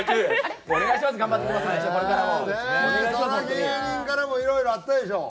芸人からもいろいろあったでしょ？